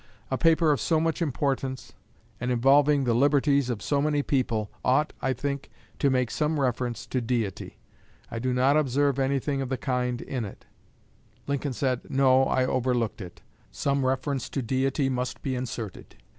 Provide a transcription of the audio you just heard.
A paper of so much importance, and involving the liberties of so many people, ought, I think, to make some reference to Deity. I do not observe anything of the kind in it." Lincoln said: "No, I overlooked it. Some reference to Deity must be inserted. Mr.